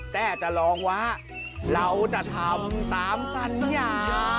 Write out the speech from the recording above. แต่จะลองว่าเราจะทำตามสัญญา